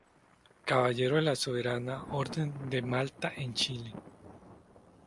Caballero de la Soberana Orden de Malta en Chile.